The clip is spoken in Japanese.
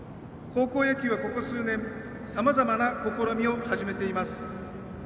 高校野球は、ここ数年さまざまな試みを始めています。